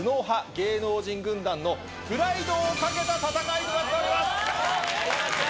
芸能人軍団のプライドを懸けた戦いとなっております！